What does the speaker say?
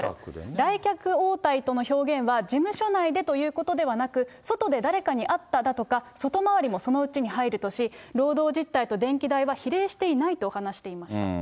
来客応対との表現は、事務所内でということではなく、外で誰かに会っただとか、外回りもそのうちに入るとし、労働実態と電気代は比例していないと話していました。